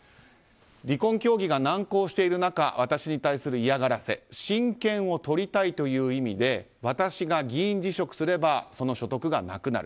離婚協議が難航している中私に対する嫌がらせ親権をとりたいという意味で私が議員辞職をすればその所得がなくなる。